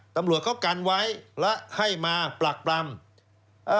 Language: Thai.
ตำรวจเขากันไว้และให้มาปรักปรำเอ่อ